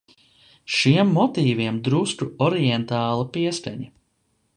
Šiem motīviem drusku orientāla pieskaņa.